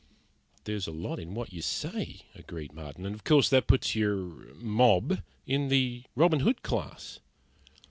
"There's a lot in what you say," agreed Marden. "And of course that puts your ... mob in the Robin Hood class."